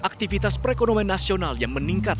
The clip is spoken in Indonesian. aktivitas perekonomian nasional yang meningkat